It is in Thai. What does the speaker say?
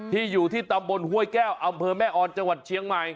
อยู่ที่ตำบลห้วยแก้วอำเภอแม่ออนจังหวัดเชียงใหม่